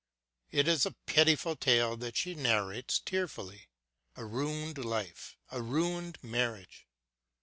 It is a pitiful tale that she narrates tearfully. A ruined life, a ruined marriage